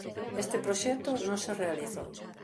Este proxecto non se realizou.